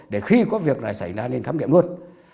để khi có việc này xảy ra nên khám nghiệm luôn